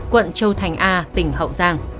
quận châu thành a tỉnh hậu giang